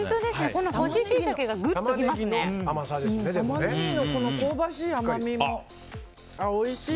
タマネギの香ばしい甘みもおいしい。